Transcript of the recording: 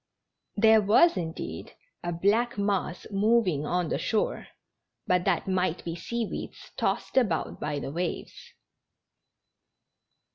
There was, indeed, a black mass moving on the shore; but that might be sea weeds tossed about by the waves.